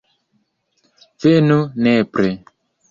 Venu nepre.